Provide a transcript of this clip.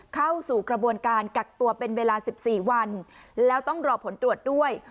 เข้าสู่กระบวนการกักตัวเป็นเวลา๑๔วันแล้วต้องรอผลตรวจด้วย